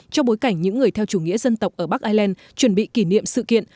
trong bối cảnh những người theo chủ nghĩa dân tộc ở bắc ireland chuẩn bị kỷ niệm sự kiện